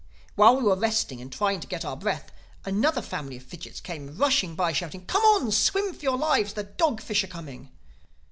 While we were resting and trying to get our breath, another family of fidgits came rushing by, shouting, 'Come on! Swim for your lives! The dog fish are coming!